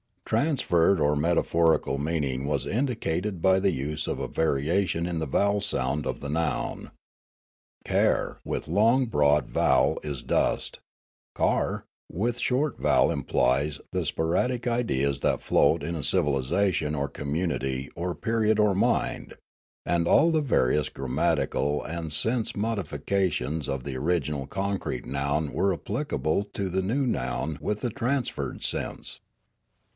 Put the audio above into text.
Transferred or metaphorical meaning was indicated 390 Riallaro by the use of a variation in the vowel sound of the noun. " Kar " with long, broad vowel is "dust"; " K^r " with short vowel implies the sporadic ideas that float in a civilisation or community or period or mind; and all the various grammatical and sense modi fications of the original concrete noun were applicable to the new noun with the transferred sense.